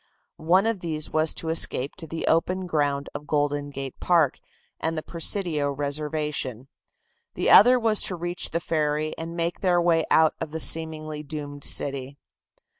One of these was to escape to the open ground of Golden Gate Park and the Presidio reservation; the other was to reach the ferry and make their way out of the seemingly doomed city.